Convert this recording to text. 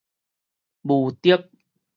無敵